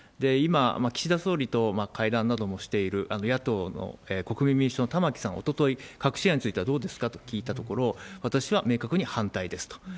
今、岸田総理と会談などもしている野党の国民民主党の玉木さん、おととい、核シェアについてはどうですかと聞いたところ、私は明確に反対ですと。